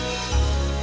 ya enggak sih